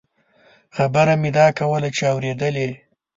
خبره مې دا کوله چې اورېدلې.